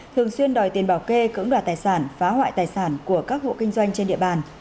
thường xuyên đòi tiền bảo kê cưỡng đoạt tài sản phá hoại tài sản của các hộ kinh doanh trên địa bàn